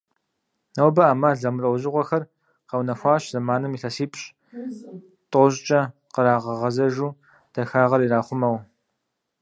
Нобэ Iэмал зэмылIэужьыгъуэхэр къэунэхуащ, зэманым илъэсипщI-тIощIкIэ кърагъэгъэзэжу, дахагъэр ирахъумэу.